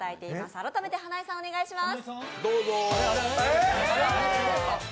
改めて花井さん、お願いします。